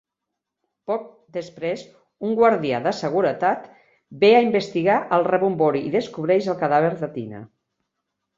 Poc després, un guàrdia de seguretat ve a investigar el rebombori i descobreix el cadàver de Tina.